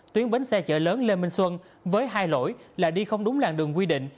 tuyến bến xe chợ lớn lê minh xuân với hai lỗi là đi không đúng làng đường quy định